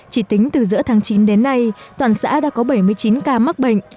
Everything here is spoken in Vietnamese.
chỉ tính từ giữa tháng chín đến nay toàn xã đã có bảy mươi chín ca mắc bệnh